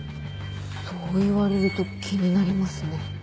そう言われると気になりますね。